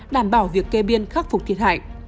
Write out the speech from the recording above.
đảm bảo việc kê biên khắc phục thiệt hại